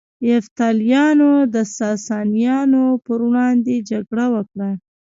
یفتلیانو د ساسانیانو پر وړاندې جګړه وکړه